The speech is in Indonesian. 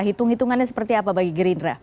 hitung hitungannya seperti apa bagi gerindra